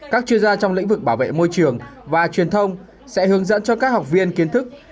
các chuyên gia trong lĩnh vực bảo vệ môi trường và truyền thông sẽ hướng dẫn cho các học viên kiến thức